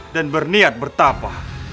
dan berniat bertapah